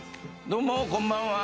どうもこんばんは。